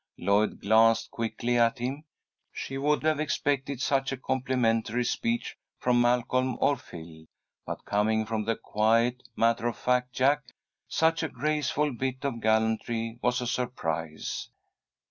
Lloyd glanced quickly at him. She would have expected such a complimentary speech from Malcolm or Phil, but coming from the quiet, matter of fact Jack, such a graceful bit of gallantry was a surprise.